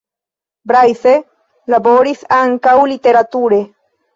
Blaise laboris ankaŭ literature.